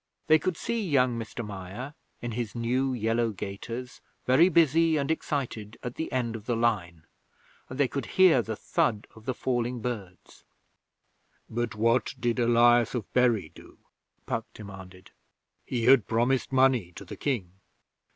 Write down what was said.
They could see young Mr Meyer, in his new yellow gaiters, very busy and excited at the end of the line, and they could hear the thud of the falling birds. 'But what did Elias of Bury do?' Puck demanded. 'He had promised money to the King.'